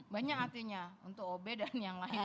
banyak artinya untuk obe dan yang lain